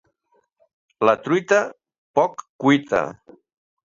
La truita, poc cuita.